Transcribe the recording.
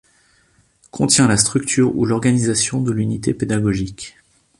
Contient la structure ou l’organisation de l’unité pédagogique.